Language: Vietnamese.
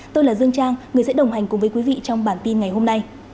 tôi là dương trang người sẽ đồng hành cùng với quý vị trong bản tin ngày hôm nay